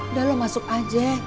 udah lo masuk aja